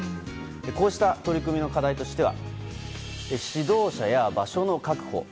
こうした取り組みの課題としては指導者や場所の確保